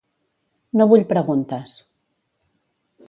No vull preguntes.